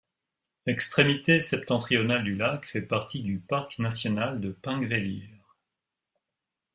L'extrémité septentrionale du lac fait partie du parc national de Þingvellir.